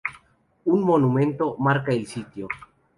Un monumento marca el sitio.